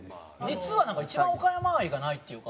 実はなんか一番岡山愛がないっていうか。